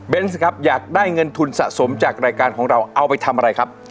ครับอยากได้เงินทุนสะสมจากรายการของเราเอาไปทำอะไรครับ